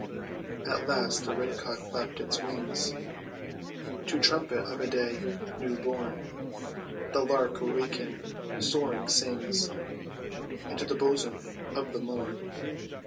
At last the red cock flaps his wings To trumpet of a day new born. The lark, awaking, soaring sings Into the bosom of the morn.